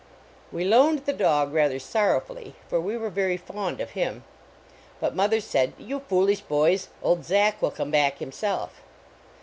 We loaned the dog rather sorrowfully, for we were very fond of him. But mother said, " You foolish boys, old Zack will come back himself."